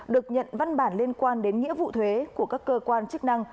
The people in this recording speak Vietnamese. được nhận văn bản liên quan đến nghĩa vụ thuế của các cơ quan chức năng